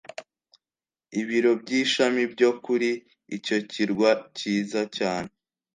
ibiro by ishami byo kuri icyo kirwa cyiza cyane